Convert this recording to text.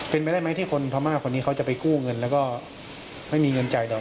เป็นไปได้ไหมที่คนพม่าคนนี้เขาจะไปกู้เงินแล้วก็ไม่มีเงินจ่ายดอก